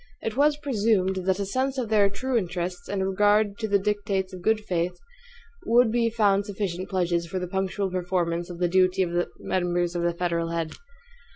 It was presumed that a sense of their true interests, and a regard to the dictates of good faith, would be found sufficient pledges for the punctual performance of the duty of the members to the federal head.